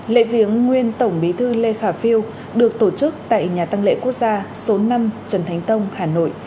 lễ viếng nguyên tổng bí thư lê khả phiêu được tổ chức tại nhà tăng lễ quốc gia số năm trần thánh tông hà nội